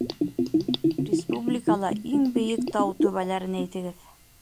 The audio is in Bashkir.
Республикала иң бейек тау түбәләрен әйтегеҙ.